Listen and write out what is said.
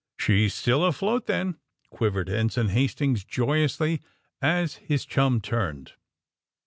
*' She's still afloat, then!" quivered Ensign Hastings joyously, as his chum turned.